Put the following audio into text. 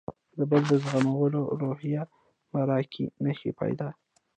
د بل د زغملو روحیه به راکې نه شي پیدا.